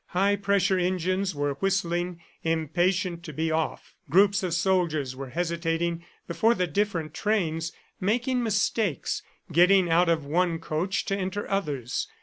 High pressure engines were whistling, impatient to be off. Groups of soldiers were hesitating before the different trains, making mistakes, getting out of one coach to enter others.